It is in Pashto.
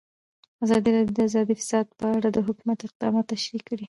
ازادي راډیو د اداري فساد په اړه د حکومت اقدامات تشریح کړي.